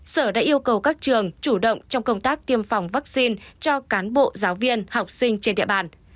sở đã yêu cầu các trường chủ động trong công tác tiêm phòng vaccine cho cán bộ giáo viên học sinh trên địa bàn